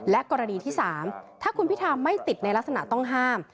กรณีที่๓ถ้าคุณพิธาไม่ติดในลักษณะต้องห้าม